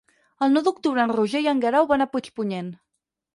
El nou d'octubre en Roger i en Guerau van a Puigpunyent.